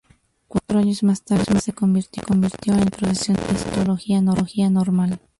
Cuatro años más tarde se convirtió en profesor de Histología Normal.